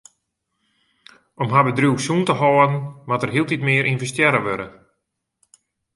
Om har bedriuw sûn te hâlden moat der hieltyd mear ynvestearre wurde.